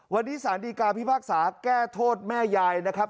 วันนี้สารดีกาพิพากษาแก้โทษแม่ยายนะครับ